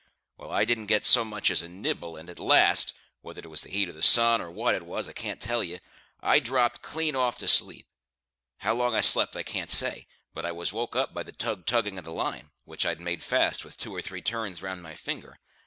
Well, I didn't get so much as a nibble, and, at last whether 'twas the heat of the sun, or what 'twas, I can't tell ye I dropped clean off to sleep. How long I slept I can't say, but I was woke up by the tug tugging of the line, which I'd made fast with two or three turns round my finger.